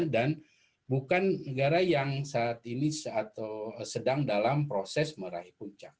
dan bukan negara yang saat ini sedang dalam proses meraih puncak